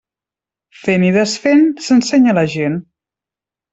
Fent i desfent s'ensenya la gent.